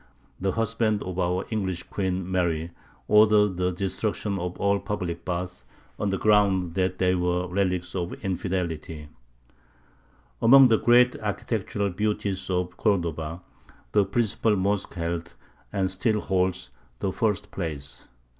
the husband of our English Queen Mary, ordered the destruction of all public baths, on the ground that they were relics of infidelity. [Illustration: GATE OF THE MOSQUE OF CORDOVA.] Among the great architectural beauties of Cordova, the principal mosque held, and still holds, the first place.